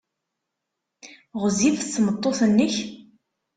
Ɣezzifet tmeṭṭut-nnek?